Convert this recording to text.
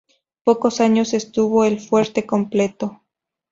Pocos años estuvo el fuerte completo.